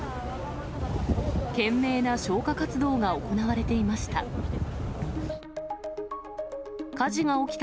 懸命な消火活動が行われていました。